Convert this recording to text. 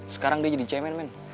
sekarang dia jadi cewek main main